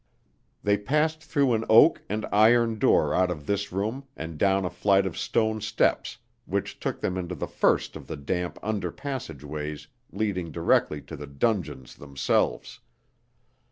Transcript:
They passed through an oak and iron door out of this room and down a flight of stone steps which took them into the first of the damp under passageways leading directly to the dungeons themselves.